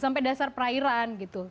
sampai dasar perairan gitu